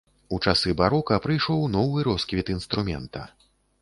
У часы барока прыйшоў новы росквіт інструмента.